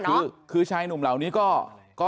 น้อคือชายนุ่มเหลานี่ก็